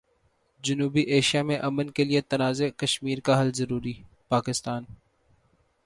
جنوبی ایشیا میں امن کیلئے تنازع کشمیر کا حل ضروری، پاکستان